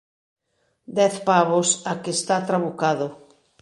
Dez pavos a que está trabucado.